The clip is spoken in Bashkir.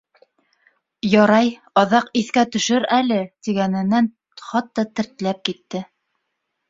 Ярай, аҙаҡ иҫкә төшөр әле... —тигәненән хатта тертләп китте.